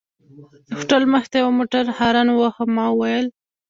د هوټل مخې ته یوه موټر هارن وواهه، ما وویل.